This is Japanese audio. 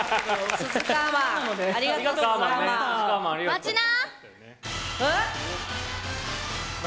待ちな！